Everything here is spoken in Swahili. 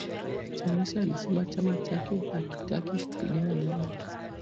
Chamisa alisema chama chake hakitaki kupigana na watu.